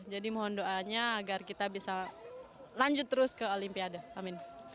jadi mohon doanya agar kita bisa lanjut terus ke olimpiade amin